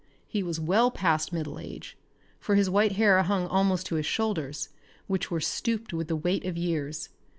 He was well past middle age, for his white hair hung almost to his shoulders, which were stooped with the weight of years.